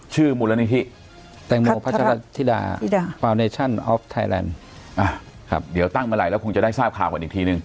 ชื่อมูลนิธีตังโมพัชรัฐธิดาอ่าครับเดี๋ยวตั้งเมื่อไหร่แล้วคงจะได้ทราบข่าวก่อนอีกทีนึง